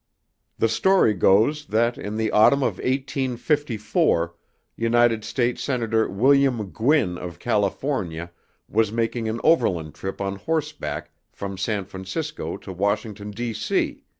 The story goes that in the autumn of 1854, United States Senator William Gwin of California was making an overland trip on horseback from San Francisco to Washington, D. C.